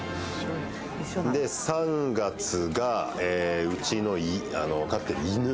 で３月がうちの飼ってる犬。